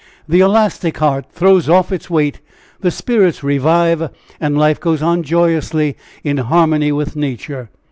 The elastic heart throws off its weight, the spirits revive, and life goes on joyously in harmony with nature.